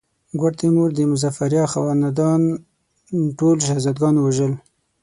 ګوډ تیمور د مظفریه خاندان ټول شهزاده ګان ووژل.